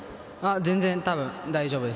全然たぶん大丈夫です。